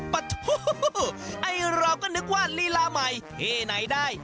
ปะทูไอ้เราก็นึกว่าลีลาใหม่ที่ไหนได้